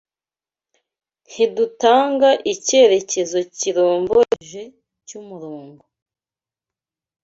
Ntidutanga icyerekezo kiromboreje cy’umurongo